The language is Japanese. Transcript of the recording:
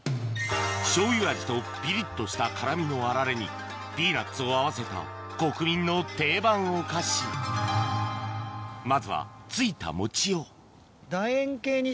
醤油味とピリっとした辛みのあられにピーナツを合わせた国民の定番お菓子まずはついた餅を楕円形で。